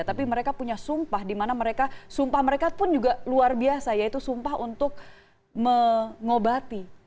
tapi mereka punya sumpah di mana mereka sumpah mereka pun juga luar biasa yaitu sumpah untuk mengobati